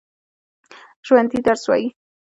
ژوندي درس وايي